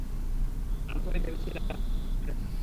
আমরা সবাই ভেবেছিলাম তুমি ভালো অবস্থানে থাকবে।